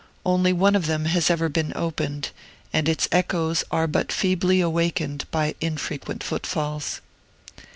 Only one of them has ever been opened, and its echoes are but feebly awakened by infrequent footfalls.